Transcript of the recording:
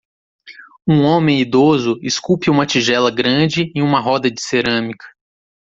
Um homem idoso esculpe uma tigela grande em uma roda de cerâmica.